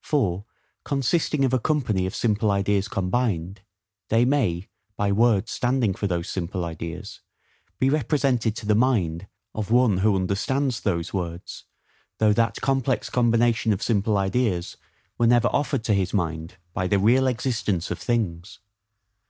For, consisting of a company of simple ideas combined, they may, by words standing for those simple ideas, be represented to the mind of one who understands those words, though that complex combination of simple ideas were never offered to his mind by the real existence of things.